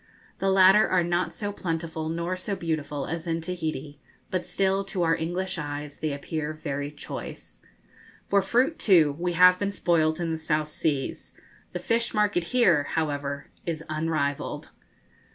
The latter are not so plentiful nor so beautiful as in Tahiti, but still, to our English eyes, they appear very choice. For fruit, too, we have been spoilt in the South Seas. The fish market here, however, is unrivalled.